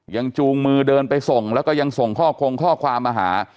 จูงมือเดินไปส่งแล้วก็ยังส่งข้อคงข้อความมาหา